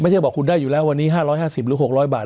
ไม่ใช่บอกคุณได้อยู่แล้ววันนี้๕๕๐หรือ๖๐๐บาท